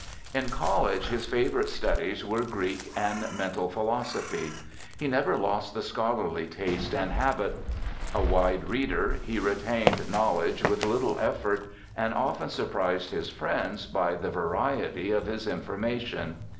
In college his favorite studies were Greek and mental philosophy. He never lost the scholarly taste and habit. A wide reader, he retained knowledge with little effort, and often surprised his friends by the variety of his information.